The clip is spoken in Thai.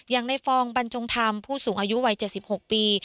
อย่างในฟองบรรจงธรรมผู้สูงอายุวัย๗๖ปี